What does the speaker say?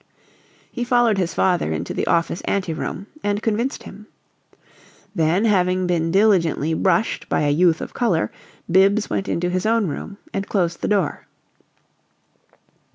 He followed his father into the office anteroom and convinced him. Then, having been diligently brushed by a youth of color, Bibbs went into his own room and closed the door.